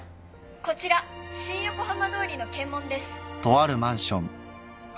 こちら新横浜通りの検問です。